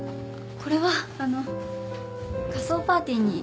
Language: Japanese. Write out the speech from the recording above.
これはあの仮装パーティーに。